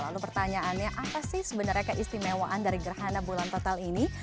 lalu pertanyaannya apa sih sebenarnya keistimewaan dari gerhana bulan total ini